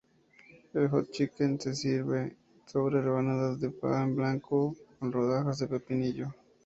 El "hot chicken" se sirve sobre rebanadas de pan blanco, con rodajas de pepinillo.